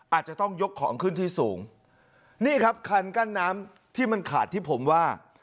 อาจจะต้องยกของขึ้นที่สูงนี่ครับคันกั้นน้ำที่มันขาดที่ผมว่า